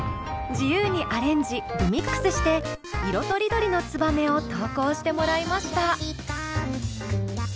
自由にアレンジ・リミックスしていろとりどりの「ツバメ」を投稿してもらいました。